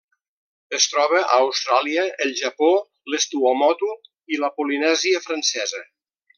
Es troba a Austràlia, el Japó, les Tuamotu i la Polinèsia Francesa.